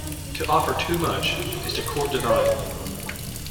To offer too much, is to court denial.